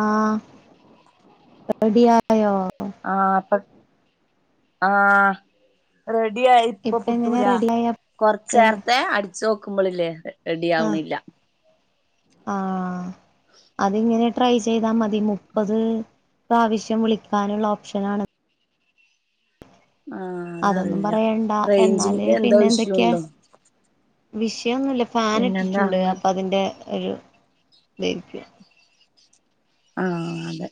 ആഹ് റെഡിയായോ ആഹ് അപ്പോ ആഹ് റെഡി ആയി ഇപ്പോ ഇപ്പ എങ്ങനെ പുത്തൂരാ റെഡിയായ കൊറച്ച് എങ്ങ നേരത്തെ അടൂ ച്ചു നോക്കുമ്പോളില്ലേ റെഡി ആഹ് ആവണില്ല ആഹ് അതിങ്ങനെ ട്രൈ ചെയ്താൽ മതി മുപ്പത് പ്രാവശ്യം വിളിക്കാനുള്ള ഓപ്ഷനാണ് ആഹ് അതൊന്നും അതറിയില്ല പറയണ്ട എന്നാല് റേഞ്ചിന്റെ എന്തോ പിന്നെ ഇഷ്യൂ എന്തൊക്കെയാ ഉണ്ടോ വിഷയമൊന്നുമില്ല ഫാൻ പിന്നെന്താ ഇട്ടിട്ടുണ്ട് അങ്ങ് അപ്പോ അതിന്റെ ഒരു [unintelligible] ആഹ് അതെ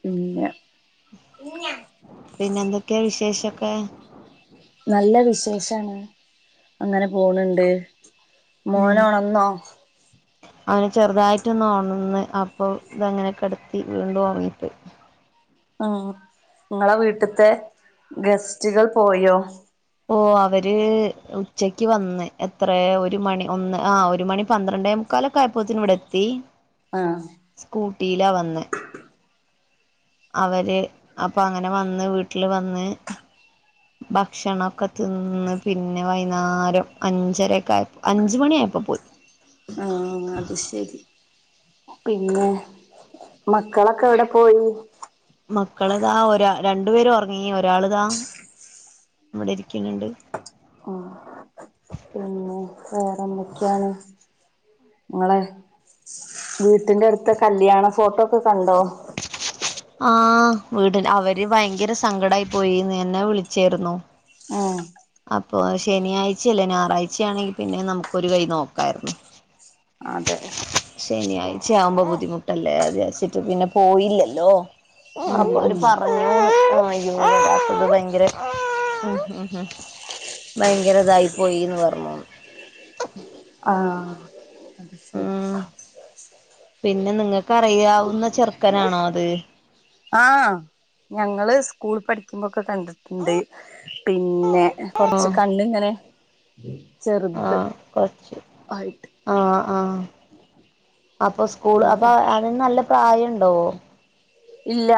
പിന്നെ പിന്നെന്തൊക്കെയാ വിശേഷൊക്കെ നല്ല വിശേഷാണ് അങ്ങനെ പോണണ്ട് മോൻ ഉണർന്നോ അവൻ ചെറുതായിട്ടൊന്ന് ഉണർന്ന് അപ്പോ ഇതങ്ങനെകിടത്തി വീണ്ടും ഉറങ്ങിപ്പോയി ഉം നിങ്ങളെ വീട്ടത്തെ ഗസ്റ്റുകൾ പോയോ ഓ അവര് ഉച്ചക്ക് വന്ന് എത്രയ ഒരു മണി ഒന്ന് ആഹ് ഒരു മണി പന്ത്രണ്ടേ മു മുക്കാല് ആയപ്പോത്തേക്ക് ഇവിടെ എത്തി ആഹ് സ്കൂട്ടിയിലാ വന്നെ അവര് അപ്പോ അങ്ങനെ വന്ന് വീട്ടില് വന്ന് ഭക്ഷണൊക്കെ തിന്ന് പിന്നെ വൈകുന്നേരം അഞ്ചരൊക്കെ ആയപ്പോ അഞ്ച് മണി ആയപ്പോ പോയി ആഹ് അത് ശരി പിന്നെ മക്കളെക്കെ എവിടെ പോയി മക്കളിതാ ഒരാ രണ്ടു പേരും ഉറങ്ങി ഒരാളിതാ ഇവിടെ ഇരിക്കണുണ്ട് ആഹ് പിന്നെ വേറെന്തൊക്കെയാണ് നിങ്ങളെ വീട്ടിന്റെ അടുത്തെ കല്യാണ ഫോട്ടോ ഒക്കെ കണ്ടോ ആഹ് വീട് അവര് ഭയങ്കര സങ്കടായി പോയിന്ന് എന്നെ വിളിച്ചായിരുന്നു ആഹ് അപ്പോ ശനിയാഴ്ച്ച അല്ലേ ഞായറാഴച്ചയാണെങ്കി പിന്നെ നമുക്കൊരു കൈ നോക്കായിരുന്നു അതെ ശനിയാഴ്ച്ചയാവുമ്പോ ബുദ്ധിമുട്ടല്ലേ അത് വച്ചിട്ട് പിന്നെ പോയില്ലല്ലോ ഉം അപ്പോ അവര് ഉം പറഞ്ഞു [unintelligible] ഭയങ്കര ഹ ഹ ഹ ഭയങ്കര ഇതായി പോയീന്ന് പറഞ്ഞൂന്ന് ആഹ് അത് ശരി ഉം പിന്നെ നിങ്ങക്ക് അറിയാവുന്ന ചെറുക്കനാണോ അത് ആഹ് ഞങ്ങൾ സ്കൂള് പഠിക്കുമ്പോക്കെ കണ്ട്ട്ട്ണ്ട് പിന്നെ കൊറച്ച് കണ്ണ് ഇങ്ങനെ ആഹ് കൊച്ച് ആയിട്ട് ആഹ് ആഹ് അപ്പോ സ് സ്കൂള് അപ്പോ അതിന് നല്ല പ്രായം ഇണ്ടോ ഇല്ല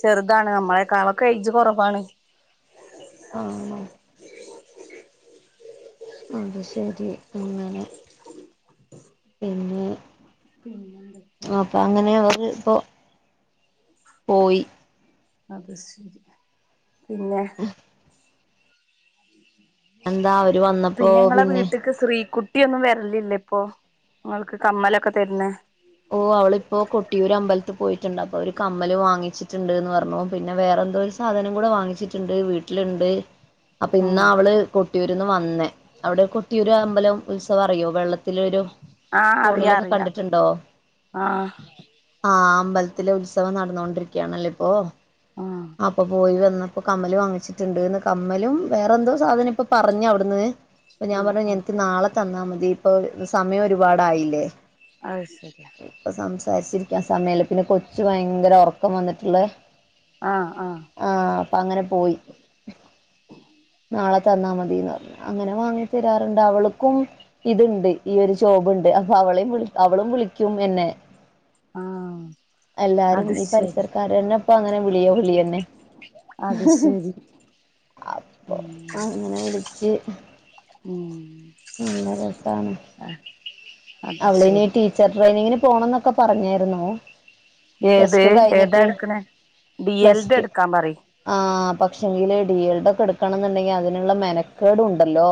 ചെർതാണ് നമ്മളെക്കാളൊക്കെ ഏയ്ജ് കൊറവാണ് ആണോ അത് ശരി അങ്ങനെ പിന്നെ പിന്നെന്തൊക്കെയാ ആപ്പ അങ്ങനെ അവര് ഇപ്പോ പോയി അത് ശരി പിന്നെ എന്താ അവര് വന്നപ്പോ പിന്നെ ക്‌ ശ്രീകുട്ടിയൊന്നും വര്ലില്ലേ ഇപ്പൊ ഇങ്ങൾക്ക് കമ്മലൊക്കെ തര്ണേ ഓ അവളിപ്പോ കൊട്ടിയൂര് അമ്പലത്ത് പോയിറ്റ്ണ്ട് അപ്പൊ ഒര് കമ്മല് വാങ്ങിച്ചിട്ട്ണ്ട് ന്ന് പർണുപിന്നെ വേറെ എന്തോ ഒരു സ സാധനം കൂട വാങ്ങിച്ച്ട്ട്ണ്ട് വീട്ട്ല്ണ്ട് ഉ അപ്പ ഇന്നാഅവള് കൊട്ടിയൂര്ന്ന് വന്നേ അവടെ കൊട്ടിയൂര് അമ്പലം ഉത്സവ അറിയോ വെള്ളത്തിലൊരു ആഹ് അറിയ ഫോണിലൊക്കെ അറിയ കണ്ട്ട്ട്ണ്ടോ ആഹ് ആഹ് അമ്പലത്തിലെ ഉത്സവം നടന്നൊണ്ടിരികയാണല്ലോ ഇപ്പോ ആഹ് അപ്പൊ പോയി വന്നപ്പോ കമ്മല് വാങ്ങിച്ചി ണ്ട്ന്ന് കമ്മലും വേറെ എന്തോ സാധനം ഇപ്പൊ പറഞ്ഞ അവ്ട്ന്ന് പ്പ ആഹ് ഞാപറഞ്ഞു ആഹ് എനിക്ക് നാള തന്നാ മതി ഇപ്പൊ സമയം ഒരുപാടായില്ലേ അഹ് ശരി ഇപ്പ സംസാരിച്ചിരിക്കാ സമയല്ല പിന്നെ കൊച്ച് ഭയങ്കര ഒറക്കം വന്ന്ട്ട്ള്ള ആഹ് ആഹ് ആഹ് അപ്പ അങ്ങന പോയി നാള തന്നാ മതീന്ന് പറഞ്ഞ് അങ്ങനെ വാങ്ങി തരാർണ്ട് അവൾക്കും ഇത്ണ്ട് ഈ ഒര് ജോബ് ണ്ട് അപ്പൊ അവളിം വിളി അവളും വിളിക്കും എന്നെ ആഹ് എല്ലാരും അത് ഈ ശരി പരിസരക്കാരന്നെ ഇപ്പൊ അങ്ങനെ വിളിയോ വിളി യന്നെ അത് ശരി അപ്പൊ അങ്ങനെ വിളിച്ച് ഉം നല്ല രസാണ് ആഹ് അവള് ഇനി ടീച്ചർ ട്രെയിനിങ്ങിന് പോണന്നൊക്കെ പറഞേര്ന്നു ഏത് ഏതാ എട്ക്ക്ണ് ബിഎൽഡി എട്ക്കാ പറി ആഹ് പക്ഷെങ്കില് ഡിയൽഡൊക്കെ എടുക്കണംന്ന്ണ്ടെങ്കി അതിന്ള്ള മെനക്കേടു ണ്ടല്ലോ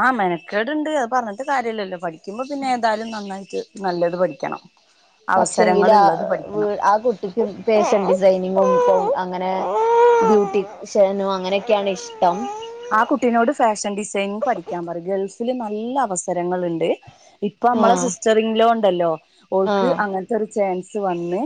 ആഹ് മെനക്കേട്ണ്ട് അത് പറഞ്ട്ട് കാര്യല്ലല്ലോ പഠിക്കുമ്പോ പിന്നെ ഏന്താലും നന്നായിറ്റ് നല്ലത് പഠിക്കണം പക്ഷെങ്കിൽ ആ അവസരങ്ങളുള്ളത് വീ പഠിക്കണം ആ കു കുട്ടിക്ക് ഫാഷൻ ഡിസൈനിങ്ങും അങ്ങനെ ബ്യൂട്ടിഷനും അങ്ങനെ ക്കയാണ്ഇഷ്ടം ആഹ് കുട്ടിനോട് ഫാഷൻ ഡിസൈനിങ് പഠിക്കാപറി ഗൾഫില് നല്ല അവസരങ്ങള്ണ്ട് ഇപ്പ മ്മളെ ആഹ് സിസ്റ്ററിംങ്ലോ ഇണ്ടല്ലോ ഓൾക്ക് ആഹ് അങ്ങൻത്തെരു ച്ചേൻസ് വന്ന്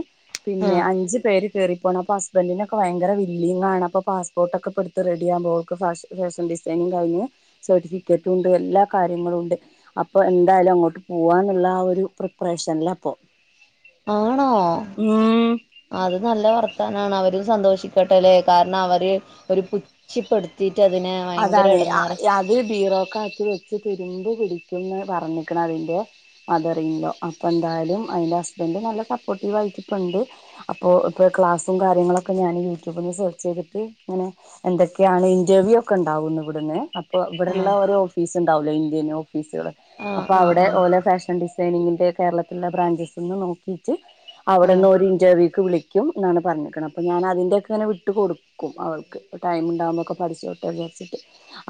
പിന്നെ ആഹ് അഞ്ച് പേര് കേറിപ്പോണം അപ്പൊ ഹസ്ബന്റിനൊക്കെ വയങ്കര വില്ലിങ്ങാണ് അപ്പ പാസ്പോട്ടൊക്ക ഇപ്പ റെഡിയാമ്പോ ഓൾക്ക് ഫാഷ ഫാഷൻ ഡിസൈനിങ്ങ് കഴിഞ്ഞ് സർട്ടിഫിക്കറ്റും ഇണ്ട് എല്ലാ കാര്യങ്ങളും ഉണ്ട് അപ്പൊ എന്താലും അങ്ങോട്ട് പ്പൂവാന്നുള്ള ആ ഒരു പ്രിപ്പറേഷൻല്ല ഇപ്പൊ ആണോ ഉം അത് നല്ല വർത്താനാണ് അവരും സന്തോഷിക്കട്ടെല്ലെ കാരണം അവര് ഒരു പുച്ഛിപ്പെടുത്തി ത്തി ട്ടതിനെ അതാണ് അത് ടീ റോ കാക്കി വെ പിചി രുമ്പ് പിടിക്കുംന്ന് പറഞ്ഞിക്ണഅതിന്റെ മദറില്ലോ അപ്പോൾ എന്തായാലും അതിൻ്റെ ഹസ്ബൻഡ് നല്ല സപ്പോർട്ടീവ് ആയിട്ടിപ്പുണ്ട്. അപ്പോ ഇപ്പ ക്ലാസ്സും കാര്യങ്ങളൊക്കെ ഞാൻ യൂട്യൂബിൽ നിന്ന് സെർച്ച് ചെയ്തിട്ട് ഇങ്ങനെ എന്തൊക്കെയാണ് ഇന്റർവ്യൂ ഒക്കെ ഉണ്ടാവുന്നു ഇവിടുന്ന് അപ്പൊ ഇവിടെള്ള ആഹ് ഓരോ ഫീസ് ഉണ്ടാവലോ ഇന്ത്യന്ഓ ഫീസുകള് ആഹ് അപ്പൊ ആഹ് അവിടെ ആഹ് ഓലോ ഫാഷൻ ഡിസൈനിങ്ങിന്റെ കേരളത്തിലുള്ള ബ്രാഞ്ചസ് ഒന്ന് നോക്കീയിട്ട് ആഹ് അവിടെന്ന് ഒരു ഇന്റർവ്യൂക്ക് വിളിക്കും എന്നാണ് പറഞ്ഞിക്ക്ണ അപ്പൊ ഞാനതിന്റെഒക്കെ ഇങ്ങനെ വിട്ട് കൊടുക്കും. കും അവൾക്ക് ടൈം ഉണ്ടാവുമ്പോക്ക പഠിച്ചചോട്ടെ വിചാരിച്ചിട്ട്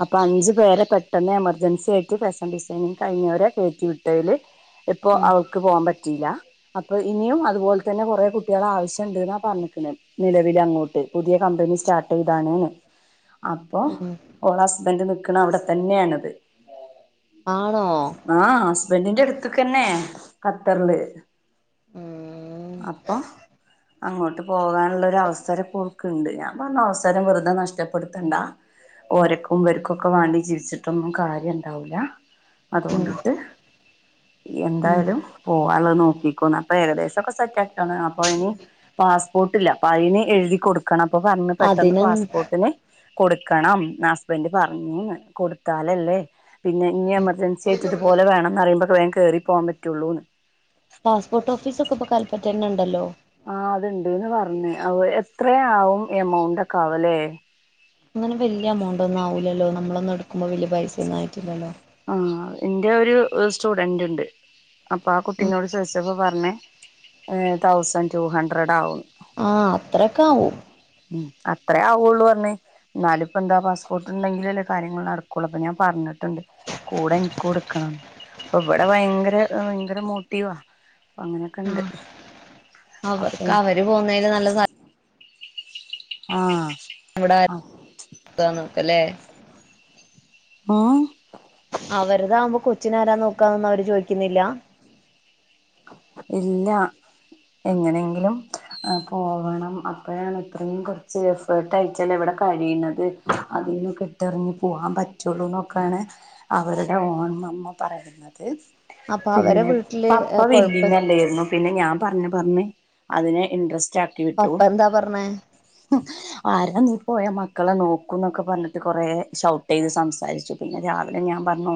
അപ്പൊ അഞ്ചു പേരെ പെട്ടെന്ന് എമർജൻസി ആയിട്ട് ഫാഷൻ ഡിസൈനിങ് കഴിഞ്ഞവരെ കയറ്റി വിട്ടു ൽ ഇപ്പൊ ഉം അവൾക്ക് പോകാൻ പറ്റിയില്ല അപ്പൊ ഇനിയും അതുപോലെ തന്നെ കൊറേ കുട്ട്യാള ആവശ്യം ണ്ട് ന്നാ പറഞ്ഞിക്ക്ണ് നിലവില അങ്ങോട്ട്. പുതിയ കമ്പനി സ്റ്റാർട്ട് ചെയ്താണ് അ. പ്പൊ ഉം ഓള ഹസ്ബൻഡ് നിക്കണ അവിടെ തന്നെയാണിത്. ആണോ? ആഹ് ഹസ്ബൻഡിന്റെ എടുത്ത്ക്കന്നെ ഖത്തർല്. ഉം അപ്പ അങ്ങോട്ട് പോകാനുള്ള ഒരു അവസരംപ്പോക്ക്ണ്ട് ഞാൻ പറഞ്ഞു അവസരം വെറുതെ നഷ്ടപ്പെടുത്തണ്ട. ഓരക്കും ഇവര്ക്കൊക്കെ വാണ്ടി ജീവിച്ചിട്ടൊന്നും കാര്യം ഇണ്ടാവൂല്ല ഉം അതോണ്ടിട്ട്. ഉം എന്തായാലും പോകാനുള്ളത് നോക്കിക്കോന്ന് അപ്പൊ ഏകദേശം ഒക്കെ സെറ്റ് ആക്കാണ് അപ്പൊ ഇനി. പാസ്പോർട്ടില്ല അപ്പൊ അയിന് എഴുതി കൊടുക്കണം. അപ്പൊ പറഞ്ഞ് പെട്ടെന്ന് അതിന് പാസ്പോർട്ടിന് കൊടു. ക്കണം ഹസ്ബൻഡറ് പറഞ്ഞു ന്ന് കൊടുത്താലല്ലേ. പിന്നെ ഇനി എമർജൻസി ആയിട്ട് ഇതുപലെ വേണംമ്ന്ന് പറിമ്പളക്ക വേഗം കേറി പോവാൻ പറ്റുള്ളൂന്ന്. പാസ്പോർട്ട് ഓഫീസൊക്കെപ്പൊ കല്പറ്റന്ന ണ്ടല്ലോ. ആ അത്ണ്ട്ന്ന് പറഞ്ഞ് അ എത്രയാവും എമൗണ്ട് ഒക്കെ ആവല്ലേ. അങ്ങനെ വല്ല്യ എമൗണ്ട് ഒന്നും ആവൂല്ലല്ലോ നമ്മളൊന്നും എടുക്കുമ്പോ വലിയ പൈസയൊന്നും ആയിട്ടില്ലല്ലോ. ആഹ് ഇന്റെ ഒരു സ്റ്റുഡന്റ് ണ്ട്. അപ്പ ആ ഉം കുട്ടീനോട് ചോദിച്ചപ്പോൾ പറഞ്ഞ് ഏ തൗസൻഡ് ടു ഹഡ്രഡ് ആകും. ആ അത്രക്കെ ആവും. ഉം ഹ് അത്രേ ആവുള്ളു പറഞ്ഞ്. ന്നാലും ഇപ്പ എന്താ പാസ്പോർട്ട്ണ്ടെങ്കിലല്ലെ കാര്യങ്ങൾ നടക്കുള്ളൂ അപ്പ ഞാൻ പറഞ്ഞിട്ടുണ്ട്. കൂടെ ൻക്കും ഇട്ക്കണം. പ്പൊ ഇവിടെ ഭയങ്കര ഭയങ്കര മോട്ടീവാ. അങ്ങനെയൊക്കെ ഇണ്ട് അപ്പൊ. [unintelligible] ആഹ്. ഇവിടെ അടുത്താണ് ല്ലേ. ആഹ്. അവരുതാവുമ്പോ കൊച്ചിന ആരാ നോക്കാന്നൊന്നും അവര് ചോദിക്കുന്നില്ല. ഇല്ല എങ്ങനെങ്കിലും. പോവണം. അപ്പോഴാണ് ഇത്രയും കൊറ്ച്ച് എഫേർട്ട് ആയിട്ടല്ലേ ഇവിടെ കഴിയുന്നത് അതിൽന്നകെ. ട്ടർഞ്ഞ് പോവാൻ പറ്റുള്ളു ന്നൊക്കാണ് അവരുടെ ഓണ്മ്മ പറയുന്നത്. അപ്പൊ അവരെ ഏ വീട്ടില് കൊഴപ്പ. ലേർന്നു. പിന്നെ ഞാൻ പർഞ്ഞ് പർഞ്ഞ് അതിനെ ഇന്ട്രസ്റ്റ് ആക്കി വിട്ടു. പപ്പ എന്താ പറഞ്ഞേ ആരാ നീ പോയ മക്കളെ നോക്കും ന്നക്ക പറഞ്ഞിട്ട് കൊറെ ഷൗട്ട് ചെയ്ത് സംസാരിച്ചു. പിന്നെ രാവിലെ ഞാൻ പറഞ്ഞു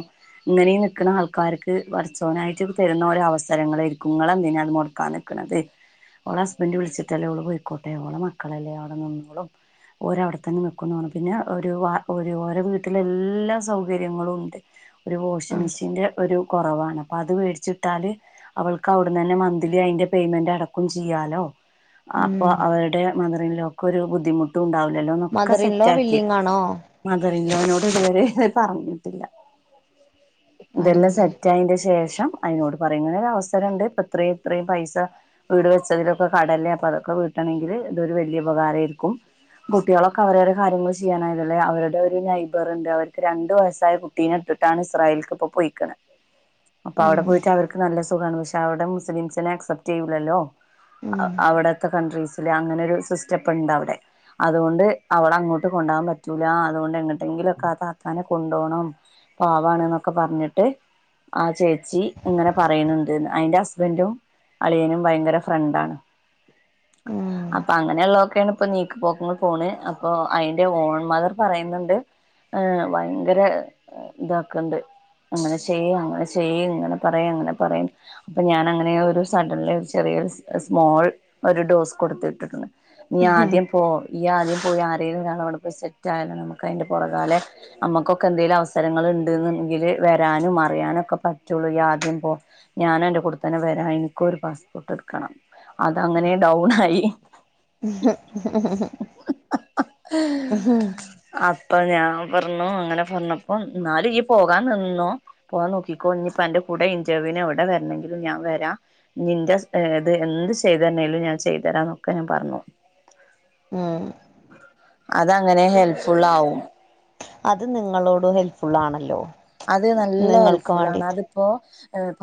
ഇങ്ങനെയ് നിൽക്കുന്ന ആൾക്കാർക്ക് പട്ച്ചോനായിട്ട് തരുന്ന ഒരവ. സരങ്ങളേര്ക്കും ഇങ്ങൾ എന്തിനാ അത് മൊടക്കാൻ നിക്കണത്. ഓളെ ഹസ്ബൻഡറ് വിളിച്ചിട്ടല്ലേ ഓള് പോയിക്കോട്ടെ. ഓളെ മക്കളല്ലേ അവിടെ നിന്നോളും. ഓര് അവിടെത്തന്നെ നിക്കുന്നുറഞ്ഞു പിന്നെ ഒരു വാ ഒരു ഓരവീട്ടില് എല്ലാ സൗകര്യങ്ങളും ഉണ്ട്. ഒരു വോഷിംഗ് ആഹ് മെഷീൻ്റെ ഒരു കൊറവാണ് അപ്പം അത് വേടിച്ചിട്ടാല്. അവൾക്ക് അവിടന്നന്നെ മന്ത്ലി അയിന്റെ പേയ്മെന്റ് അടക്കും ചെയ്യാലോ. അപ്പൊ ഉം അവരുടെ മദറിൽലൊക്ക് ഒരു ബുദ്ധിമുട്ടും മദർ ഇൻ ലോ ഉണ്ടാവില്ലല്ലോന്നൊക്കെസെറ്റാക്കി. വില്ലിങ് ആണോ മദറില്ലോനോട് ഇതുവരെ പറഞ്ഞിട്ടില്ല. ഇതെല്ലാം അയ്യോ സെറ്റായേൻറ്റേശേഷം അയിനോട് പറയും ഇങ്ങനെ ഒരു അവസരോണ്ട് ഇപ്പ ഇത്രയും ഇത്രയും പൈസ. വീട് വെച്ചതിലൊക്കെ കടല്ലേ അപ്പ അതൊക്കെ വീട്ടണെങ്കില് ഇതൊരു വല്ല്യ ഉപകാരയാരിക്കും. കുട്ടികളൊക്കെ അവരവരെ കാര്യങ്ങള് ചെയ്യാനായതല്ലേ അവരുടെ ഒരു നൈബറുണ്ട് അവർക്ക് രണ്ടു വയസ്സായ കു. ട്ടീനെ ഇട്ടിട്ടാണ് ഇസ്രായീല്ക്ക് ഇപ്പൊ പോയിക്കണ് അപ്പൊ അവിടെ പോയിട്ട് ഉം അവർക്ക്. നല്ല സുഖാണ് പക്ഷേ അവിടെ മുസ്ലിംസിനെ അക്സെപ്റ്റ് ചെയ്യൂല്ലല്ലോ. അ അവിടത്തെ കൺട്രീസില് അങ്ങനെ ഒരു സിസ്റ്റപ്പെണ്ടവിടെ. അതുകൊണ്ട് അവളെ അങ്ങോട്ടുകൊണ്ടാകാൻ പറ്റൂലാ അതോണ്ട് എങ്ങോട്ടെങ്കിലൊക്കെ ആ താത്താനെ കൊണ്ടോണം. പാവാണൊന്നൊക്കെ പറഞ്ഞിട്ട് ആ ചേച്ചി. ഇങ്ങനെ പറയണൊണ്ട്ന്ന് അയിന്റെ ഹസ്ബൻറ്റും അളിയനും ഭയങ്കരഫ്രണ്ടാണ്. അപ്പൊ അങ്ങനെയോള്ളതൊക്കെയാണ് ഇപ്പൊ നി ക്കുപോക്കങ്ങൾ പോണ് അപ്പൊ അയിന്റെ ഓൺമദർ പറയുന്നുണ്ട് ആ ഭയങ്കര ഇതാക്കണ്ട് അങ്ങനെ ചെയ്യ് അങ്ങനെ ചെയ്യ് ഇങ്ങനെ പറയും ഇങ്ങനെ പറയും അപ്പം ഞാൻ അങ്ങനെയൊരു സഡെൻലി ഒരു ചെറിയൊരു സ്മോൾ ഒരുഡോസ് കൊടുത്തിട്ടുണ്ട് നീ ആദ്യംപോ ഈആദ്യം പോയി ആരേലും ഒരാളവിടെപോയ് സെറ്റായാലോ നമുക്കയിന്റെ പൊറകാലെ നമ്മുക്കൊക്കെ എന്തേലും അവസരങ്ങളുണ്ട് എന്നെങ്കില് വരാനും അറിയാനും ഒക്കെ പറ്റുള്ളൂ ഈ ആദ്യം പോ ഞാനും അന്റെ കൂടെതന്നെവരാം എനിക്കും ഒരു പാസ്പോർട്ട് എടുക്ക് ക്കണം അതങ്ങനെ ഡൗണായി ഹ [inaudible] അപ്പൊ ഞാൻപറഞ്ഞു അങ്ങനെപറഞ്ഞപ്പം എന്നാലും നിപോകാൻ നിന്നോ പോവാൻ നോക്കിക്കോ ഇനിപ്പം അന്റെകൂടെ ഇന്റവൂവിന് എവിടെ വരണെങ്കിലും ഞാൻ വരാം നിന്റെ സൈഡ് എന്തുചെയ്തു തന്നേലും ഞാൻ ചെയ്തുതരാന്നൊക്കെ ഞാൻ പറഞ്ഞു ഉം അതങ്ങനെ ഹെല്പ്ഫുള്ളാവും അത് നിങ്ങളോട് ഹെൽപ്പ്ഫുള്ളാണല്ലോ അത് നല്ല ഹെല്പ്ഫുള്ളാണ് അതിപ്പോ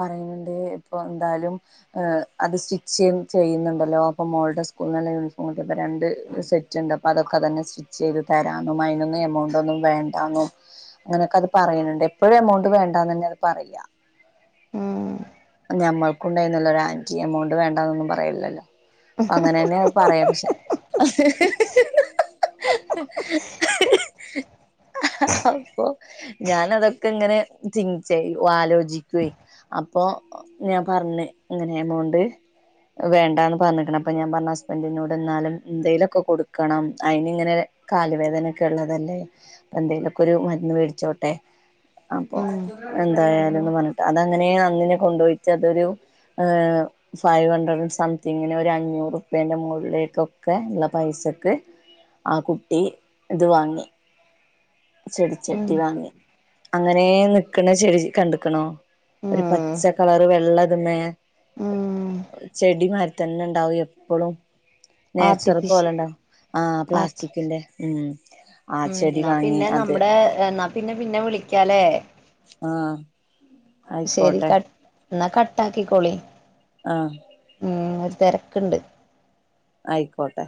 പറയുന്നുണ്ട് ഇപ്പൊ എന്തായാലും ആ അത് സ്റ്റിച്ച് ചെയ് ചെയ്യുന്നുണ്ടല്ലോ അപ്പൊ മോൾടെ സ്കൂളില്ലേ യൂണിഫോം കിട്ടിയപ്പോ രണ്ട് സെറ്റ് റ്റൊണ്ട് അപ്പ അതൊക്കെ അതന്നെ സ്റ്റിച്ച്ചെയ്തു തരാന്നും അയിനൊന്നും എമൗണ്ടൊന്നും വേണ്ടാന്നും അങ്ങനെയൊക്കെയത് പറയണൊണ്ട് എപ്പോഴും എമൗണ്ട് വേണ്ടാന്ന് തന്നെയത് പറയുക ഉം ഞമ്മൾക്കൊണ്ടായിരുന്നല്ലോ ഒരു ആന്റി എമൗണ്ട് വേണ്ടാന്നൊന്നും പറയില്ലല്ലോ അപ്പ അങ്ങനെതന്നെയത് പറയാ പക്ഷെ അതെ ഞാനത് ഇങ്ങനെ ചെയ്യ് ചെയ്യ് ആലോചിക്കുവേ അപ്പൊ ഞാൻ പറഞ്ഞ് ഇങ്ങനെയെമൗണ്ട് വേണ്ടാന്നു പറഞ്ഞിക്കണു അപ്പൊ ഞാൻ പറഞ്ഞു ഹസ്ബൻഡിനോട് എന്നാലും എന്തേലൊക്കെ കൊടുക്കണം അയിനിങ്ങനെ കാലുവേദനയൊക്കെയൊള്ളതല്ലേ പ്പ എന്തേലൊക്കെയൊരു മരുന്നുമേടിച്ചോട്ടെ അപ്പൊ ഉം എന്തായാലൂന്ന് പറഞ്ഞിട്ട് അതങ്ങനെ അന്നനെ കൊണ്ടുപോയിച്ച് അതൊരു [unintelligible] ഫൈവ് ഹൺഡ്രഡ് സംതിങ്ങിന് ഒരു അഞ്ഞൂറ് ഉപ്യേന്റെ മുകളിലേക്കൊക്കെ ഉള്ള പൈസക്ക് ആ കുട്ടി ഇതുവാങ്ങി ഉം ചെടിചട്ടി വാങ്ങി അങ്ങനെ നിക്കണ ചെടികണ്ടിക്കണോ ഒരു ഉം പച്ചകളറ് വെള്ളതുമ്മേ ഉം ചെടിമാരിതന്നെയുണ്ടാവും എപ്പളും നേച്ചുറൽ ആർട്ടിഫിഷ പോലെണ്ടാവും ആ ആർട്ടി പ്ലാസ്റ്റിക്കിന്റേ ഉം ആ ഉം എന്നാ ചെടിവാങ്ങി പിന്നെ നമ്മടെ ന്നാ പിന്നെ പിന്നെ വിളിക്കാലേ ആഹ് ശരി ആയിക്കോട്ടെ ക ന്നാ കട്ടാക്കിക്കോളി ആഹ് ഒരു തെരക്ക്ണ്ട് ആയിക്കോട്ടെ